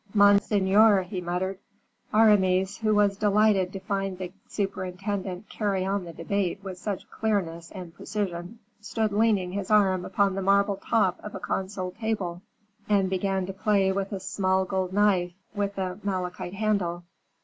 "Monseigneur!" he muttered. Aramis, who was delighted to find the superintendent carry on the debate with such clearness and precision, stood leaning his arm upon the marble top of a console table and began to play with a small gold knife, with a malachite handle.